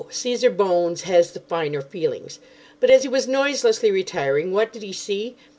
Caesar Bones has the finer feelings. But as he was noiselessly retiring, what did he see?